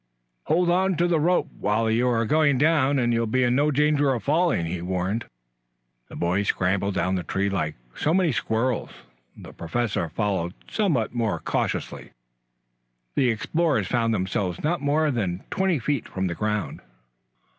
"Hold on to the rope while you are going down and you'll be in no danger of falling," he warned. The boys scrambled down the tree like so many squirrels, the Professor following somewhat more cautiously. The explorers found themselves not more than twenty feet from the ground.